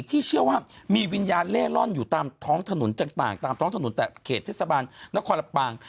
ที่เชื่อว่ามีวิญญาณเล่ร่อนอยู่ตามท้องถนนต่างตามท้องถนนแต่เขตเทศบาลนครลำปาง